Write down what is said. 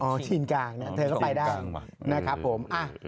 โอ้ที่ชีนกลางเธอก็ไปด้านเต้ากับผม